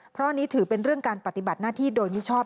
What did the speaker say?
เพราะอันนี้ถือเป็นเรื่องการปฏิบัติหน้าที่โดยมิชอบ